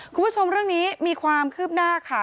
คุณผู้ชมเรื่องนี้มีความคืบหน้าค่ะ